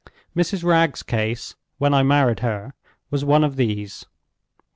Mrs. Wragge's case, when I married her, was one of these.